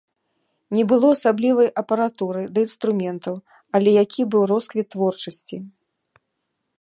Не было асаблівай апаратуры ды інструментаў, але які быў росквіт творчасці!